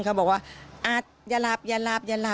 เขาบอกว่าอัดอย่าหลับอย่าหลับ